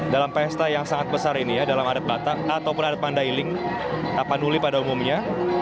dalam pesta yang sangat besar ini ya dalam adat batak ataupun adat mandailing tak panduli pada umumnya